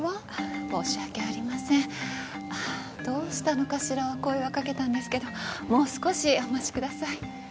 あどうしたのかしら声はかけたんですけどもう少しお待ちください